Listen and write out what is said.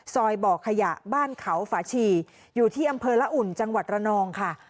ซอยบ่อขยะบ้านเขาฝาชีอยู่ที่อำเภอละอุ่นจังหวัดระนองค่ะ